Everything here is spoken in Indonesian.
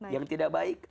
yang tidak baik